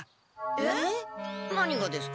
えっ？何がですか？